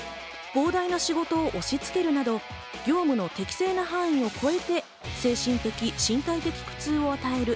膨大な仕事を押し付けるなど、業務の適正な範囲を超えて、精神的・身体的苦痛を与える。